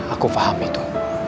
aku paham itu